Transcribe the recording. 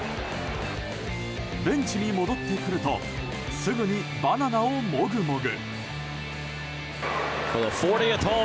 ベンチに戻ってくるとすぐにバナナをもぐもぐ。